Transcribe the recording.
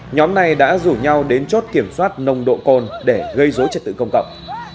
nhóm này đã rủ nhau đến chốt kiểm soát nồng độ cồn để gây dối trật tự công cộng